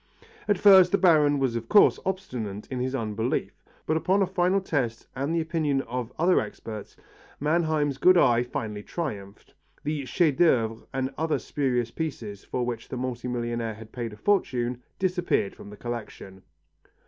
At first the Baron was of course obstinate in his unbelief, but upon a final test and the opinion of other experts, Mannheim's good eye finally triumphed. The chef d'œuvre and other spurious pieces for which the multi millionaire had paid a fortune disappeared from the collection.